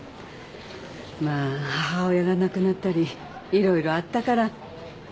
まあ母親が亡くなったり色々あったから。